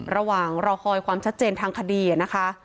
ระหว่างรอคอยความชัดเจนทางคดีนะคะ